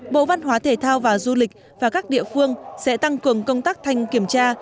bộ văn hóa thể thao và du lịch và các địa phương sẽ tăng cường công tác thanh kiểm tra